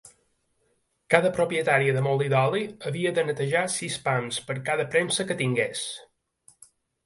Cada propietari de molí d'oli havia de netejar sis pams per cada premsa que tingués.